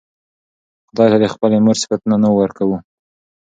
خداى ته د خپلې مور صفتونه نه ورکوو